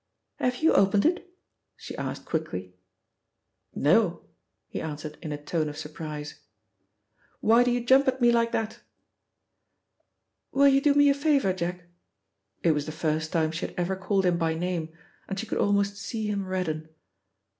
"Have you opened it?" she asked quickly. "No," he answered in a tone of surprise. "Why do you jump at me like that?" "Will you do me a favour, Jack?" It was the first time she had ever called him by name, and she could almost see him redden.